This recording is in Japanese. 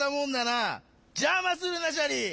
じゃまするなシャリ！